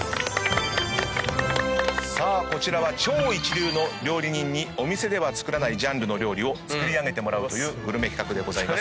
こちらは超一流の料理人にお店では作らないジャンルの料理を作り上げてもらうというグルメ企画でございます。